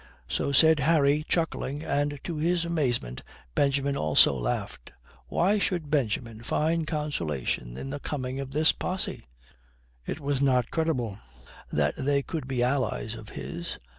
So said Harry, chuckling, and to his amazement Benjamin also laughed. Why should Benjamin find consolation in the coming of this posse? It was not credible that they could be allies of his.